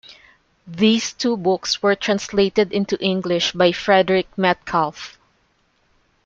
These two books were translated into English by Frederick Metcalfe.